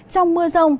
trong mưa rông